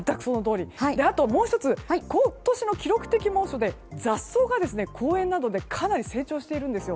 あと、もう１つ今年の記録的猛暑で雑草が公園などでかなり成長しているんですよ。